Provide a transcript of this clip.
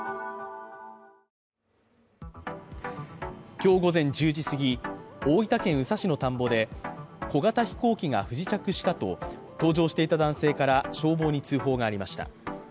今日午前１０時すぎ大分県宇佐市の田んぼで小型飛行機が不時着したと搭乗していた男性から消防に通報がありました。